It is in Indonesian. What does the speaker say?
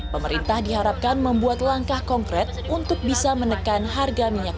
pemerintah diharapkan membuat langkah konkret untuk bisa menekan minyak goreng yang diperbolehkan